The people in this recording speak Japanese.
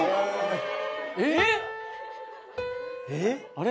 あれ？